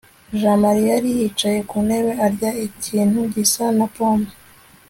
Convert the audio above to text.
jamali yari yicaye ku ntebe arya ikintu gisa na pome